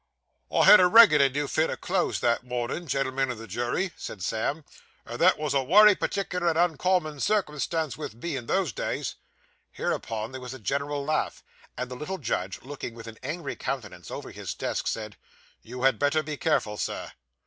'I had a reg'lar new fit out o' clothes that mornin', gen'l'men of the jury,' said Sam, 'and that was a wery partickler and uncommon circumstance vith me in those days.' Hereupon there was a general laugh; and the little judge, looking with an angry countenance over his desk, said, 'You had better be careful, Sir.